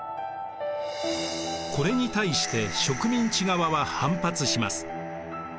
これに対して植民地側は反発します。